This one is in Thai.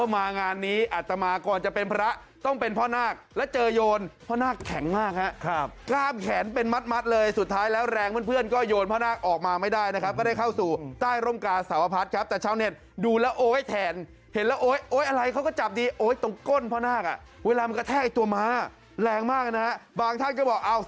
มางานนี้อัตมาก่อนจะเป็นพระต้องเป็นพ่อนาคแล้วเจอโยนพ่อนาคแข็งมากฮะกล้ามแขนเป็นมัดเลยสุดท้ายแล้วแรงเพื่อนก็โยนพ่อนาคออกมาไม่ได้นะครับก็ได้เข้าสู่ใต้ร่มกาสาวพัฒน์ครับแต่ชาวเน็ตดูแล้วโอ๊ยแทนเห็นแล้วโอ๊ยโอ๊ยอะไรเขาก็จับดีโอ๊ยตรงก้นพ่อนาคอ่ะเวลามันกระแทกตัวม้าแรงมากนะฮะบางท่านก็บอกเอา